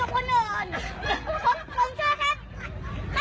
ผมก็ช่วยให้สามารถกินกับคนอื่น